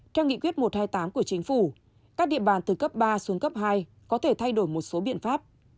trong nghị quyết một hai tám của chính phủ các địa bàn từ cấp ba xuống cấp hai có thể thay đổi một số biện pháp